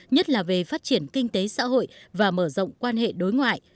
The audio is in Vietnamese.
nhất là về phát triển kinh tế xã hội và mở rộng quan hệ đối ngoại